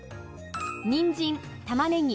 にんじん玉ねぎ